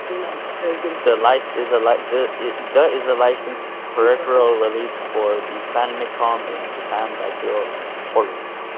The is a licensed peripheral released for the Famicom in Japan by Hori.